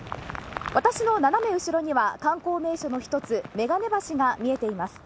私の斜め後ろには観光名所の１つ、眼鏡橋が見えています。